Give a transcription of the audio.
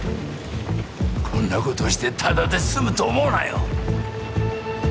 こんなことをしてただで済むと思うなよ。